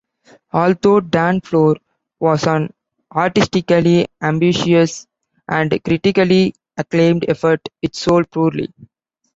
Although "Darn Floor" was an artistically ambitious and critically acclaimed effort, it sold poorly.